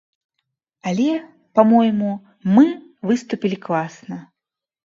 Але, па-мойму, мы выступілі класна.